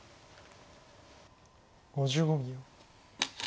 ５５秒。